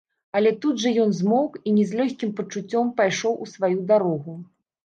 Але тут жа ён змоўк і з не лёгкім пачуццём пайшоў у сваю дарогу.